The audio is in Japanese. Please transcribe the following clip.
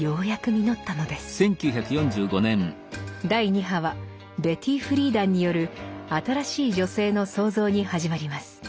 第二波はベティ・フリーダンによる「新しい女性の創造」に始まります。